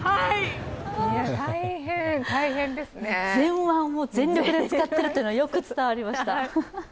前腕を全力で使っているのがよく伝わりました。